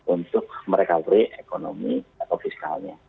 untuk mereka beri ekonomi atau fiskalnya